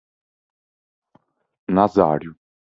Nazário